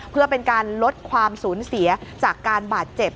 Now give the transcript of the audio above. เพื่อเป็นการลดความสูญเสียจากการบาดเจ็บ